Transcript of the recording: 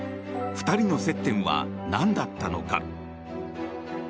２人の接点はなんだったのか。